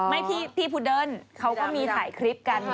พี่พุดเดิ้ลเขาก็มีถ่ายคลิปกัน